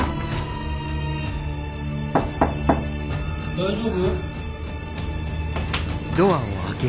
・・・大丈夫？